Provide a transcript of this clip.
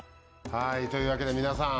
はいというわけで皆さん